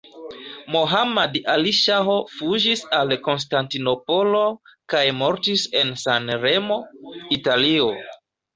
Mohammad Ali Ŝaho fuĝis al Konstantinopolo kaj mortis en San-Remo, Italio.